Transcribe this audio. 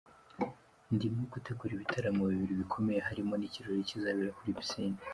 Ndimo gutegura ibitaramo bibiri bikomeye, harimo n’ikirori kizabera kuri piscine.